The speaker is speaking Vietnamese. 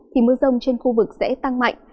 thì mưa rông trên khu vực sẽ tăng mạnh